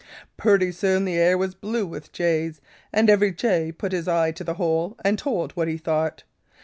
"Pretty soon the air was blue with jays, and every jay put his eye to the hole and told what he thought.